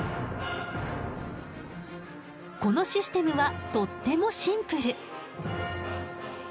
このシステムはとってもシンプル。